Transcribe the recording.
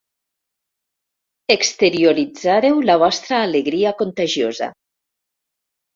Exterioritzàreu la vostra alegria contagiosa.